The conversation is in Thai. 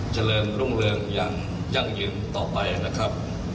เจริญรุ่งเรืองอย่างยั่งยืนต่อไปนะครับ